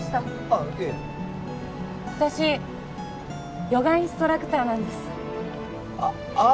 あっいえ私ヨガインストラクターなんですああ